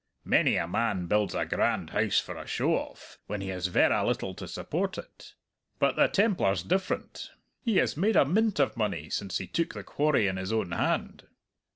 Many a man builds a grand house for a show off, when he has verra little to support it. But the Templar's different. He has made a mint of money since he took the quarry in his own hand."